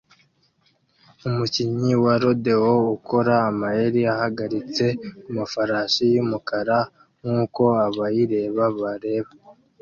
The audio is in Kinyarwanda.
Umukinnyi wa rodeo ukora amayeri ahagaritse kumafarasi yumukara nkuko abayireba bareba